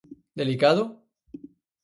Delicado?